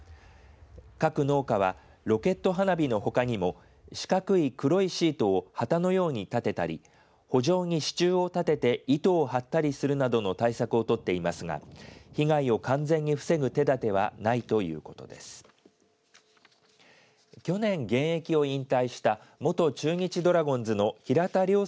各農家はロケット花火のほかにも四角い黒いシートを旗のように立てたりほ場に支柱を立てて糸を張ったりするなどの対策を取っていますが被害を完全に防ぐ手だてはないということです。